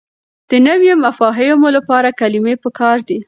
د نويو مفاهيمو لپاره کلمې پکار دي.